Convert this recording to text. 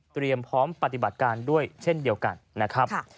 พร้อมปฏิบัติการด้วยเช่นเดียวกันนะครับ